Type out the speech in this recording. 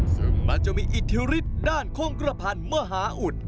ซึ่งมักจะมีอิทธิฤทธิ์ด้านโค้งกระพันธ์มหาอุด